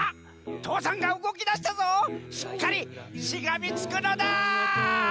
父山がうごきだしたぞしっかりしがみつくのだ！